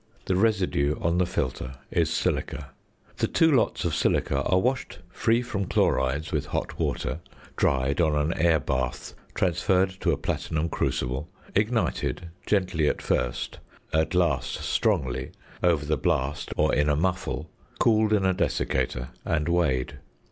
The residue on the filter is silica. The two lots of silica are washed free from chlorides with hot water, dried on an air bath, transferred to a platinum crucible, ignited gently at first, at last strongly over the blast or in a muffle, cooled in a desiccator, and weighed.